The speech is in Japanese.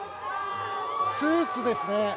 スーツですね。